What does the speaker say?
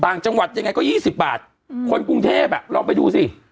ต่างจังหวัดยังไงก็ยี่สิบบาทอืมคนกรุงเทพฯอะเราไปดูสิ